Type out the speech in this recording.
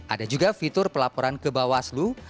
ada juga fitur pelaporan ke bawah selu